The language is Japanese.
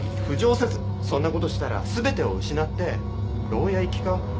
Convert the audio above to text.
そんなことしたら全てを失って牢屋行きか。